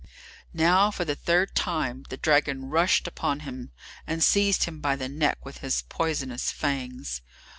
Now, for the third time, the dragon rushed upon him, and seized him by the neck with his poisonous fangs.